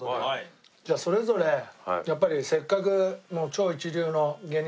じゃあそれぞれやっぱりせっかく怖いなそれ。